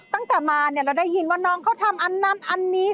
ตั้งแต่มาเนี่ยเราได้ยินว่าน้องเขาทำอันนั้นอันนี้